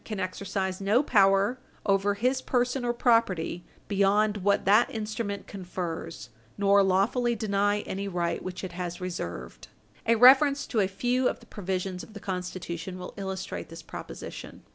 450 can exercise no power over his person or property beyond what that instrument confers, nor lawfully deny any right which it has reserved. A reference to a few of the provisions of the Constitution will illustrate this proposition.